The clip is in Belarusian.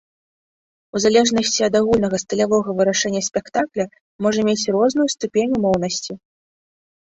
У залежнасці ад агульнага стылявога вырашэння спектакля можа мець розную ступень умоўнасці.